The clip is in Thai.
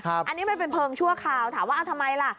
อันนี้มันเป็นเพลิงชั่วคราวถามว่าเอาทำไมล่ะ